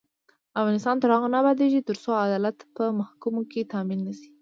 افغانستان تر هغو نه ابادیږي، ترڅو عدالت په محکمو کې تامین نشي.